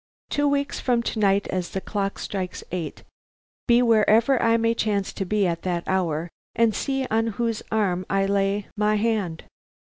"Two weeks from to night as the clock strikes eight. Be wherever I may chance to be at that hour, and see on whose arm I lay my hand.